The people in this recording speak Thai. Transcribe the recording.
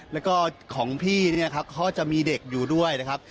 แล้วก็ของพี่เนี่ยครับเขาจะมีเด็กอยู่ด้วยนะครับ